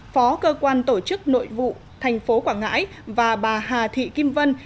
phó cơ quan tổ chức nội vụ tp quảng ngãi và bà hà thị kim vân